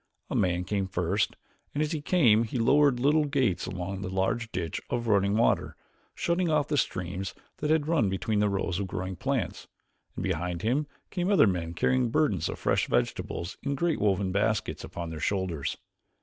A man came first, and as he came he lowered little gates along the large ditch of running water, shutting off the streams that had run between the rows of growing plants; and behind him came other men carrying burdens of fresh vegetables in great woven baskets upon their shoulders.